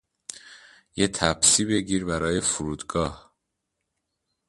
یه تپسی بگیر برای فرودگاه